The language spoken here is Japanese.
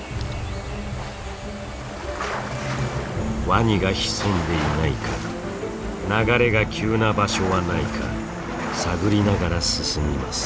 ワニが潜んでいないか流れが急な場所はないか探りながら進みます。